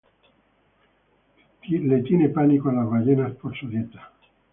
Le tiene pánico a las ballenas por su dieta.